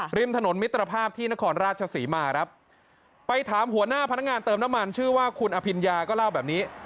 ริมถนนมิตรภาพที่นครราชศรีมาครับไปถามหัวหน้าพนักงานเติมน้ำมันชื่อว่าคุณอภิญญาก็เล่าแบบนี้